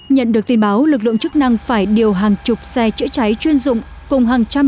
nhận được tin báo lực lượng chức năng phải điều hàng chục xe chữa cháy chuyên dụng cùng hàng trăm